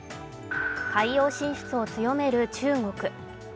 海洋進出を強める中国。